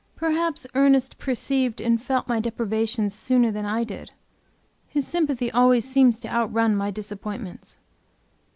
Perhaps Ernest perceived and felt my deprivations sooner than I did; his sympathy always seemed to out run my disappointments.